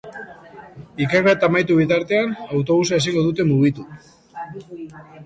Ikerketa amaitu bitartean, autobusa ezingo dute mugitu.